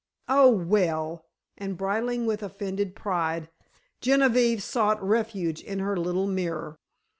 "Oh, well," and bridling with offended pride, Genevieve sought refuge in her little mirror.